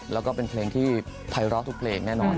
แล้วก็เป็นเพลงที่ภัยร้อทุกเพลงแน่นอน